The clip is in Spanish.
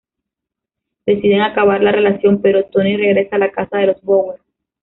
Deciden acabar la relación pero Tony regresa a la casa de los Bower.